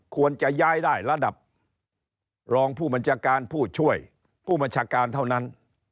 ควรจะย้ายได้ระดับรองผู้บัญชาการผู้ช่วยผู้บัญชาการเท่านั้น